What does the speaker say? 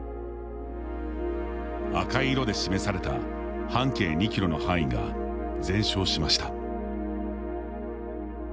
赤い色で示された半径２キロの範囲が全焼しました。